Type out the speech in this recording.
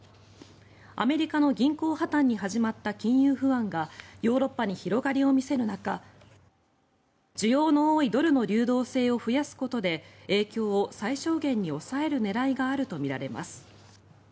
アメリカの銀行破たんに始まった金融不安がヨーロッパに広がりを見せる中需要の多いドルの流動性を増やすことで影響を最小限に抑える狙いがあるとみられます。